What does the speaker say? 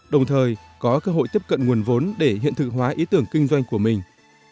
đồng thời có cơ hội tiếp cận nguồn vốn để hiện thực hóa ý tưởng kinh doanh của mình